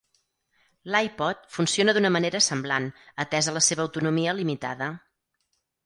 L'iPod funciona d'una manera semblant, atesa la seva autonomia limitada.